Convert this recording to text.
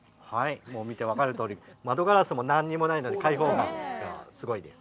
見て分かるとおり、窓ガラスも何にもないので開放感がすごいです。